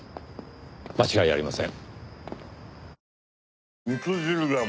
間違いありません。